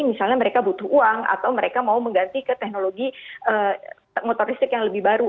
misalnya mereka butuh uang atau mereka mau mengganti ke teknologi motor listrik yang lebih baru